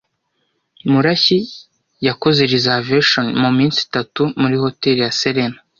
Murashyi yakoze reservation muminsi itatu muri Hotel ya serena